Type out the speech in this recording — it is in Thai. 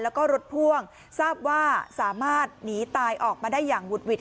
แล้วก็รถพ่วงทราบว่าสามารถหนีตายออกมาได้อย่างหุดหิด